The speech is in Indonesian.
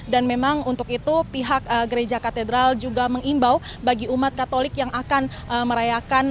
dan memang untuk itu pihak gereja katedral juga mengimbau bagi umat katolik yang akan merayakan